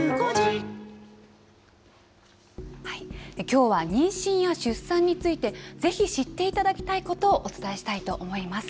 きょうは、妊娠や出産について、ぜひ知っていただきたいことをお伝えしたいと思います。